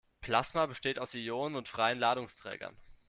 Plasma besteht aus Ionen und freien Ladungsträgern.